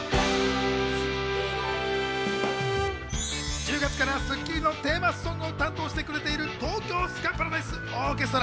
１０月から『スッキリ』のテーマソングを担当してくれている東京スカパラダイスオーケストラ。